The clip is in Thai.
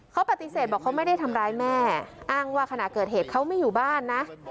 เขาปฏิเสธบอกเขาไม่ได้ทำร้ายแม่อ้างว่าขณะเกิดเหตุเขาไม่อยู่บ้านนะ